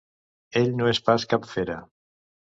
Ell no és pas cap fera.